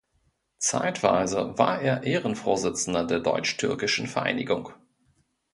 Zeitweise war er Ehrenvorsitzender der Deutsch-Türkischen Vereinigung.